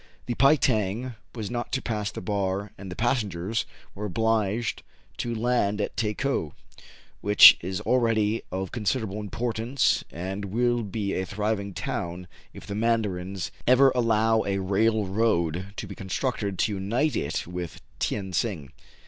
The " Pei tang was not to pass the bar ; and the passengers were obliged to land at Takou, which is already of considerable importance, and will be a thriving town if the mandarins ever allow a railroad to be constructed to unite it with Tien Sing.